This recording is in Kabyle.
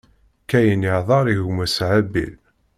Kayin ihdeṛ i gma-s Habil.